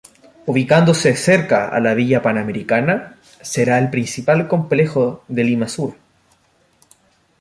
Ubicándose cerca a la Villa Panamericana, será el principal complejo de Lima Sur.